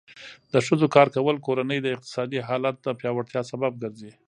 د ښځو کار کول د کورنۍ د اقتصادي حالت د پیاوړتیا سبب ګرځي.